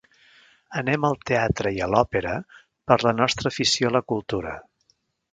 Anem al teatre i a l'òpera per la nostra afició a la cultura